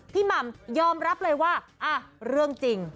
หม่ำยอมรับเลยว่าเรื่องจริง